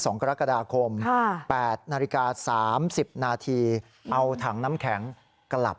สองกรกฎาคมค่ะแปดนาฬิกาสามสิบนาทีเอาถังน้ำแข็งกลับ